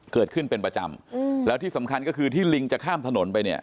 เกิดขึ้นเป็นประจำอืมแล้วที่สำคัญก็คือที่ลิงจะข้ามถนนไปเนี่ย